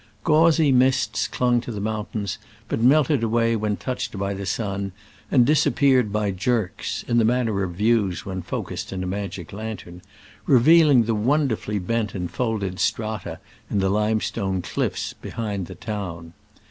Gauzy mists clung to the mountains, but melted away when touched by the sun, and disappeared by jerks (in the manner of views when focused in a magic lantern), revealing the wonderfully bent and folded strata in the limestone cliffs behind the town.